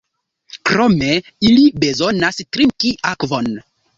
Krome ili bezonas trinki akvon.